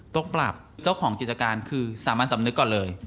ต้องปรับเจ้าของกิจการคือสามัญสำนึกก่อนเลย